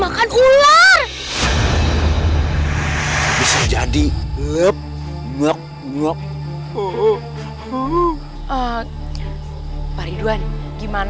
aku akan menganggap